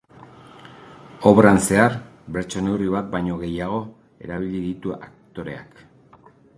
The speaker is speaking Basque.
Obran zehar, bertso-neurri bat baino gehiago erabili ditu autoreak.